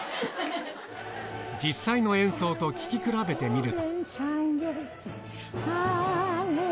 実際の演奏と聴き比べてみると。